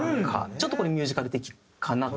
ちょっとこれミュージカル的かなと。